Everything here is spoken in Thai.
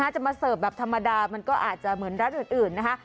จะมาเสิร์ฟแบบธรรมดามันก็อาจจะเหมือนร้านอื่นนะคะ